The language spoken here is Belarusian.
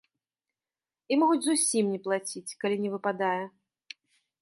І могуць зусім не плаціць, калі не выпадае.